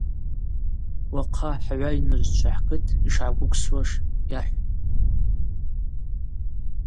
Уахъа хгӏвайныжвчва хӏкыт йшгӏагвыквсуаш йахӏв.